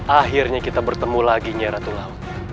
akhirnya kita bertemu lagi nyai ratu laut